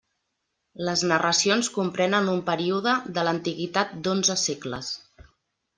Les narracions comprenen un període de l'antiguitat d'onze segles.